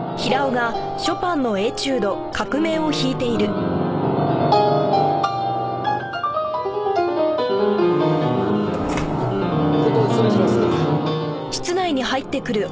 ちょっと失礼します。